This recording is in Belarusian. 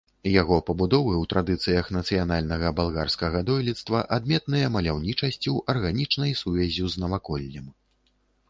Яго пабудовы ў традыцыях нацыянальнага балгарскага дойлідства, адметныя маляўнічасцю, арганічнай сувяззю з наваколлем.